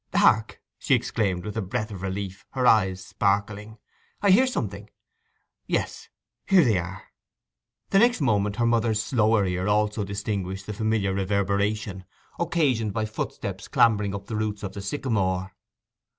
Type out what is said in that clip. Hark!' she exclaimed, with a breath of relief, her eyes sparkling. 'I heard something. Yes—here they are!' The next moment her mother's slower ear also distinguished the familiar reverberation occasioned by footsteps clambering up the roots of the sycamore.